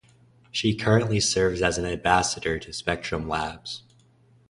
She currently serves as an advisor to Spectrum Labs.